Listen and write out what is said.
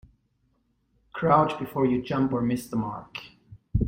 Crouch before you jump or miss the mark.